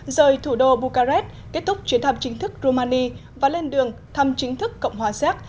rời thủ đô buchares kết thúc chuyến thăm chính thức romani và lên đường thăm chính thức cộng hòa séc